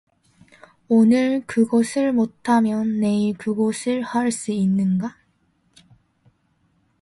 오늘 그것을 못하면 내일 그것을 할 수 있는가?